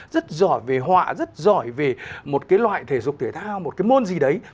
rất giỏi về họa rất giỏi về một cái loại thể dục thể thao một cái môn gì đấy